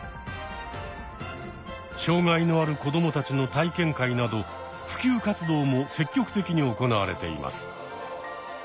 障害のある子どもたちの体験会など普及活動も積極的に行われています。